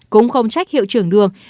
cũng không trách hiệu trường đường